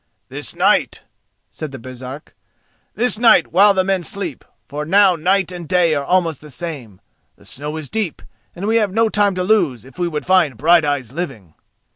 "This night," said the Baresark. "This night while the men sleep, for now night and day are almost the same. The snow is deep and we have no time to lose if we would find Brighteyes living."